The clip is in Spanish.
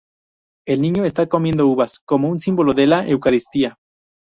El Niño está comiendo uvas, como un símbolo de la Eucaristía.